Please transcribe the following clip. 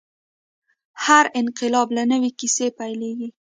هر انقلاب له نوې کیسې پیلېږي.